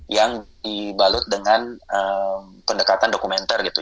yang dibalut dengan pendekatan dokumenter gitu